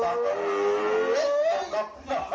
โอ้โหโอ้โหโอ้โหโอ้โห